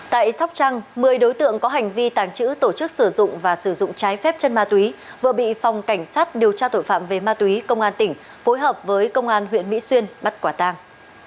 tại sóc trăng một mươi đối tượng có hành vi tàng trữ tổ chức sử dụng và sử dụng trái phép chân ma túy vừa bị phòng cảnh sát điều tra tội phạm về ma túy công an tỉnh phối hợp với công an huyện mỹ xuyên bắt quả tàng